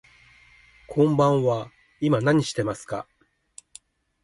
こんばんは、今何してますか。